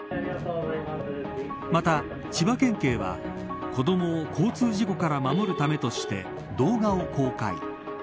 また、千葉県警は子どもを交通事故から守るためとして動画を公開。